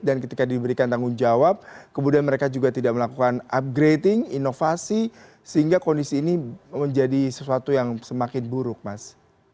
dan ketika diberikan tanggung jawab kemudian mereka juga tidak melakukan upgrading inovasi sehingga kondisi ini menjadi sesuatu yang semakin buruk mas